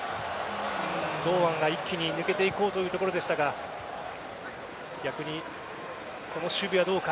堂安が一気に抜けていうこうというところでしたが逆にこの守備はどうか。